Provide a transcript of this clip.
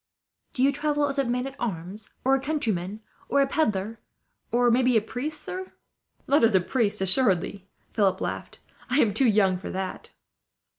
"Do you travel as a man at arms, or as a countryman, or a pedlar, or maybe as a priest, sir?" "Not as a priest, assuredly," Philip laughed. "I am too young for that."